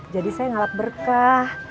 jadi saya ngalap berkah